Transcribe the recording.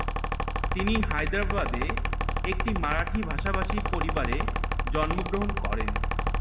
তিনি হায়দ্রাবাদে একটি মারাঠি ভাষাভাষী পরিবারে জন্মগ্রহণ করেন।